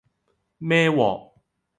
孭鑊